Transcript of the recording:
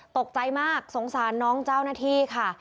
ตกใจมากสงสารน้องเจ้าหน้าที่ค่ะ